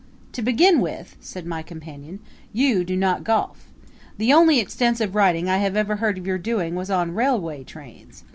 "To begin with," said my companion, "you do not golf. The only extensive riding I have ever heard of your doing was on railway trains.